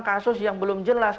kasus yang belum jelas